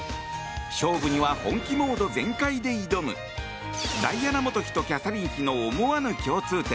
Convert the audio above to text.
勝負には本気モード全開で挑むダイアナ元妃とキャサリン妃の思わぬ共通点。